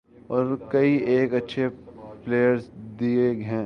اور کئی ایک اچھے پلئیرز دیے ہیں۔